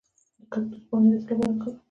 د کاکتوس پاڼې د څه لپاره وکاروم؟